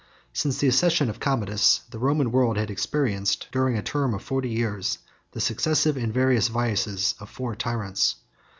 Since the accession of Commodus, the Roman world had experienced, during the term of forty years, the successive and various vices of four tyrants.